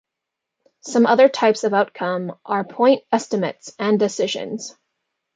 Some other types of outcome are point estimates and decisions.